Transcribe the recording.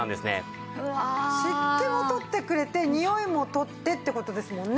湿気も取ってくれてにおいも取ってって事ですもんね。